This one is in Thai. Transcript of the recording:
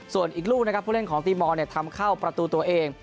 ส่วนอีกลูกนะครับผู้เล่นของตีมอลทำเข้าประตูตัวเอง